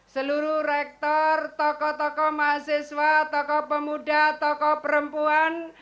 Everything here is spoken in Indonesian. seluruh rektor tokoh tokoh mahasiswa tokoh pemuda tokoh perempuan